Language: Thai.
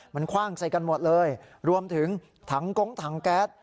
มันคว่างใส่กันหมดเลยรวมถึงถังโก๊งถังแก๊ส